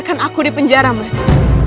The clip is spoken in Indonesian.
kamu tanpa freevese